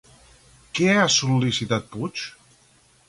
Què ha sol·licitat Puig?